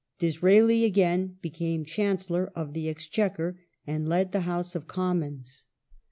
Disraeli again became Chancellor of_ the Exchequer and led the House of Commons.